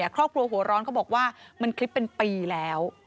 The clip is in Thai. ครอบครัวหัวร้อนเขาบอกว่ามันคลิปเป็นปีแล้ว